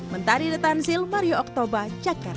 mentari the tansil mario oktober jakarta